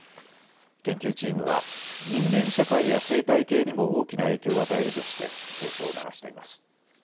研究チームは人間社会や生態系にも大きな影響を与えるとして警鐘を鳴らしています。